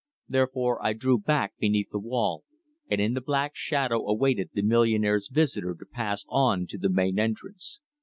Therefore I drew back beneath the wall, and in the black shadow awaited the millionaire's visitor to pass on to the main entrance.